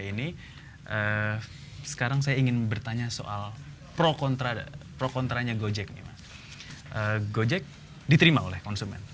ini sekarang saya ingin bertanya soal pro kontra pro kontranya gojek gojek diterima oleh konsumen